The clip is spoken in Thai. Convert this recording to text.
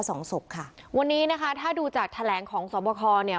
สองศพค่ะวันนี้นะคะถ้าดูจากแถลงของสวบคอเนี่ย